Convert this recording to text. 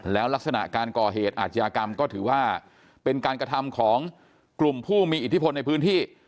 แล้วลักษณะการก่อเหตุอาชญากรรมก็ถือว่าเป็นการกระทำของกลุ่มผู้มีอิทธิพลในพื้นที่